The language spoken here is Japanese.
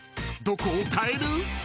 ［どこをかえる？］